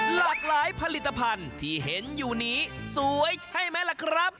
หลากหลายผลิตภัณฑ์ที่เห็นอยู่นี้สวยใช่ไหมล่ะครับ